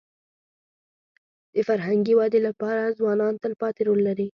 د فرهنګي ودي لپاره ځوانان تلپاتې رول لري.